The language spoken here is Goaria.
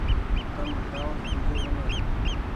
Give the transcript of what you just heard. تم دآوت ڏيجو مني ۔